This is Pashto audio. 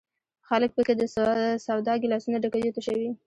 خلک په کې د سودا ګیلاسونه ډکوي او تشوي.